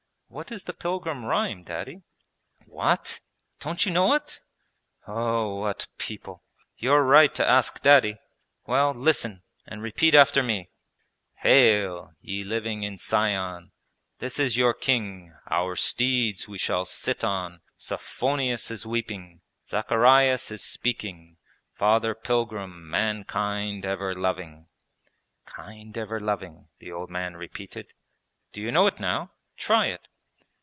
'What is the Pilgrim rhyme. Daddy?' 'What, don't you know it? Oh, what people! You're right to ask Daddy. Well, listen, and repeat after me: 'Hail! Ye, living in Sion, This is your King, Our steeds we shall sit on, Sophonius is weeping. Zacharias is speaking, Father Pilgrim, Mankind ever loving.' 'Kind ever loving,' the old man repeated. 'Do you know it now? Try it.'